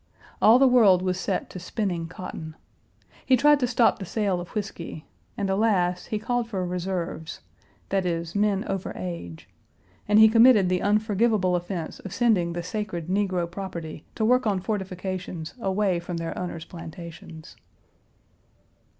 All the world was set to spinning cotton. He tried to stop the sale of whisky, and alas, he called for reserves that is, men over age, and he committed the unforgivable offense of sending the sacred negro property to work on fortifications away from their owners' plantations.